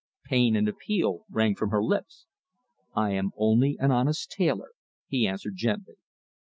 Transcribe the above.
Pain and appeal rang from her lips. "I am only an honest tailor," he answered gently.